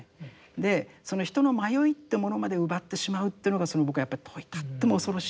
でその人の迷いってものまで奪ってしまうというのが僕はやっぱりとっても恐ろしい。